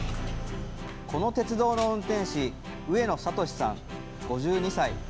この鉄道の運転士、上野理志さん５２歳。